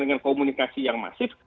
dengan komunikasi yang masif